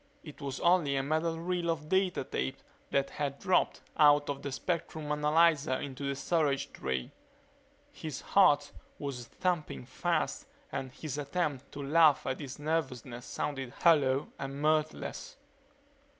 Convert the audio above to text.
It was only a metal reel of data tape that had dropped out of the spectrum analyzer into the storage tray. His heart was thumping fast and his attempt to laugh at his nervousness sounded hollow and mirthless.